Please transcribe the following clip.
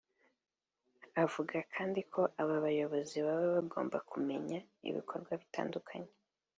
Avuga kandi ko aba bayobozi baba bagomba kumenya ibikorwa bitandukanye